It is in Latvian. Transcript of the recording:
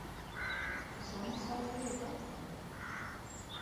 Suņi sāka riet atkal.